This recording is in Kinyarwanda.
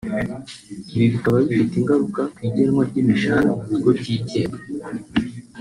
Ibi bikaba bifite ingaruka ku igenwa ry’imishahara mu bigo byigenga